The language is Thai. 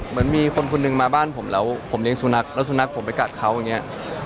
เหมือนมีคนคนหนึ่งมาบ้านผมแล้วผมเลี้ยสุนัขแล้วสุนัขผมไปกัดเขาอย่างนี้